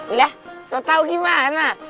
iya setau gimana